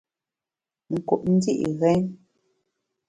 Nkup ndi’ ghèn.